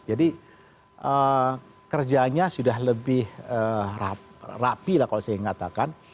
jadi kerjanya sudah lebih rapi lah kalau saya ingatkan